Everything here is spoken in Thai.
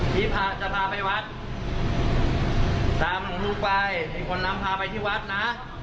พี่พาจะพาไปวัดตามหลวงลูกไปเป็นคนนำพาไปที่วัดนะ